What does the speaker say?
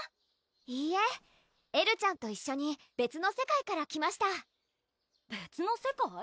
いいえエルちゃんと一緒に別の世界から来ました別の世界？